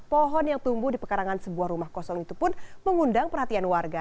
pohon yang tumbuh di pekarangan sebuah rumah kosong itu pun mengundang perhatian warga